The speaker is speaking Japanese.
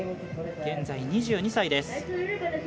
現在２２歳です。